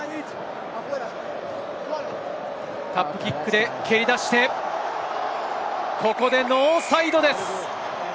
タップキックで蹴り出して、ここでノーサイドです。